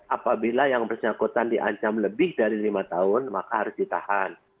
apabila yang bersangkutan diancam lebih dari lima tahun maka harus ditahan